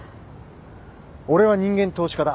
俺は人間投資家だ。